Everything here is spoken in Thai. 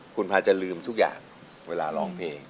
คุณพาจะลืมทุกอย่างเวลาร้องเพลง